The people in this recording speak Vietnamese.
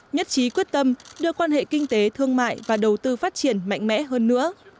nhất trí quyết tâm đưa quan hệ kinh tế thương mại và đầu tư phát triển mạnh mẽ hơn nữa